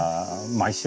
毎週！